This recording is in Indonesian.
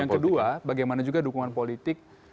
yang kedua bagaimana juga dukungan politik